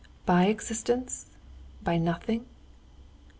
By existence? By nothing?